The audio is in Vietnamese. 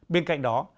bên cạnh đó